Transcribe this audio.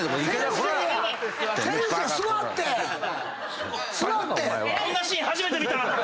こんなシーン初めて見た！